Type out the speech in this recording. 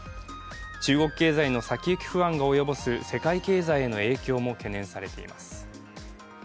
中国経済の先行き不安が及ぼす世界経済への影響も懸念されています。